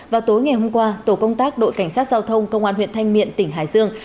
vào tối ngày hôm qua tổ công tác đội cảnh sát giao thông công an huyện thanh miện tỉnh hải dương